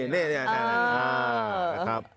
นี่นี่